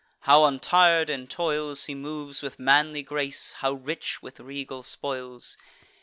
how, untir'd in toils, He moves with manly grace, how rich with regal spoils!